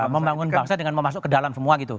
membangun bangsa dengan mau masuk ke dalam semua gitu